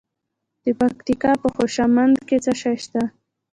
د پکتیکا په خوشامند کې څه شی شته؟